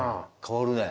変わるね。